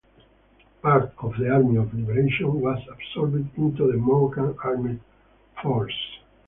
Part of the Army of Liberation was absorbed into the Moroccan armed forces.